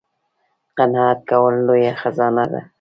قناعت کول لویه خزانه ده